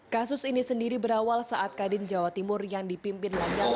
kasus ini sendiri berawal saat kadin jawa timur yang dipimpin lanyala